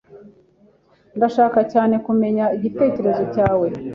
Ndashaka cyane kumenya igitekerezo cyawe.